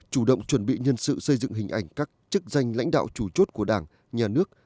chủ động chuẩn bị nhân sự xây dựng hình ảnh các chức danh lãnh đạo chủ chốt của đảng nhà nước